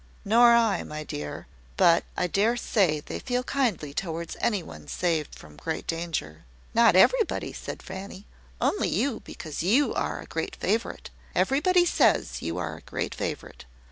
"Nor I, my dear. But I dare say they feel kindly towards anyone saved from great danger." "Not everybody," said Fanny; "only you, because you are a great favourite. Everybody says you are a great favourite.